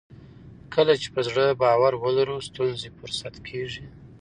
کله چې په زړه باور ولرو ستونزې فرصت کیږي.